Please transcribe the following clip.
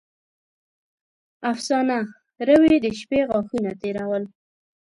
افسانه: روې د شپې غاښونه تېرول.